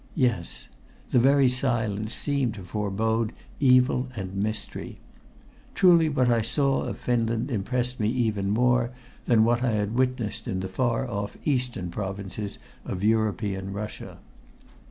Yes. The very silence seemed to forbode evil and mystery. Truly what I saw of Finland impressed me even more than what I had witnessed in the far off eastern provinces of European Russia.